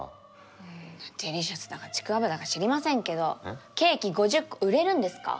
デリシャスだかちくわぶだか知りませんけどケーキ５０個売れるんですか